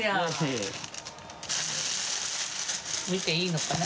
見ていいのかな？